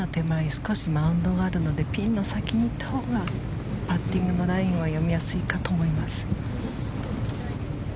少しマウンドがあるのでピンの先に行ったほうがパッティングのラインは読みやすいかと思います。